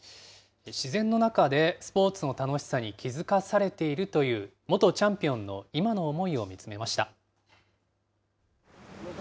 自然の中でスポーツを楽しさに気付かされているという元チャンピオンの今の思いを見つめました。